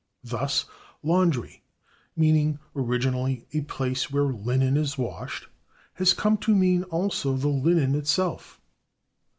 Thus /laundry/, meaning originally a place where linen is washed, has come to mean also the linen itself.